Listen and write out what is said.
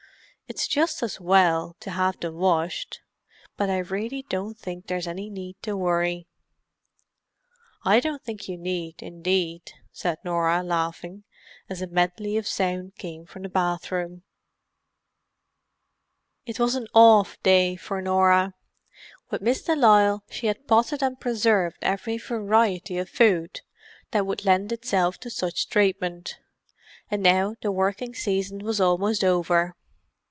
"It's just as well to have them washed, but I really don't think there's any need to worry." "I don't think you need, indeed!" said Norah, laughing, as a medley of sound came from the bathroom. It was an "off" day for Norah. With Miss de Lisle she had potted and preserved every variety of food that would lend itself to such treatment, and now the working season was almost over.